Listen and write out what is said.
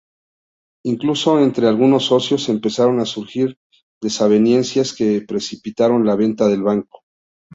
Incluso entre algunos socios empezaron a surgir desavenencias que precipitaron la venta del banco.